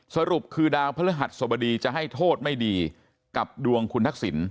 สรุปคือดาวพระฤหัสสบดีจะให้โทษไม่ดีกับดวงคุณทักษิณ